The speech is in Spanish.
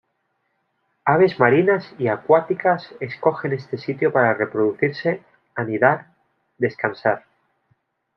Aves marinas y acuáticas escogen este sitio para reproducirse, anidar, descansar.